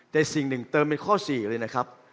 แต่สิ่งหนึ่งเติมเป็นข้อ๔เลยนะครับ